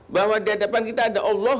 bahwa di hadapan kita ada allah